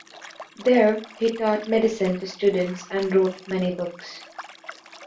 There, he taught medicine to students and wrote many books.